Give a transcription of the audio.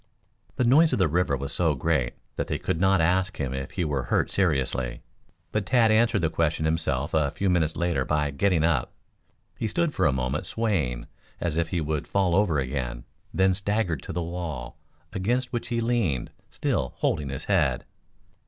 The noise of the river was so great that they could not ask him if he were hurt seriously. But Tad answered the question himself a few minutes later by getting up. He stood for a moment swaying as if he would fall over again, then staggered to the wall, against which he leaned, still holding his head.